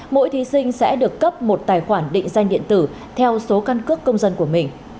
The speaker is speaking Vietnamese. mỗi thí sinh sẽ được cấp một tài khoản định danh điện tử theo số căn cước công dân của mình